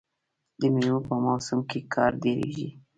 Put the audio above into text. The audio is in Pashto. د میوو په موسم کې کار ډیریږي.